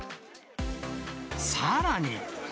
さらに。